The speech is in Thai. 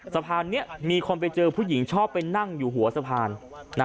สะพานนี้มีคนไปเจอผู้หญิงชอบไปนั่งอยู่หัวสะพาน